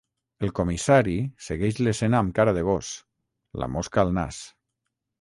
El comissari segueix l'escena amb cara de gos, la mosca al nas.